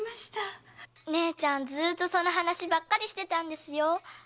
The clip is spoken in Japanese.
姉ちゃんずっとその話ばかりしてたんですよ。